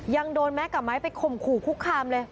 ยังโดนแม็กกับไม้ไปข่มขู่คุกคามเลย